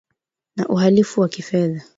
na uhalifu wa kifedha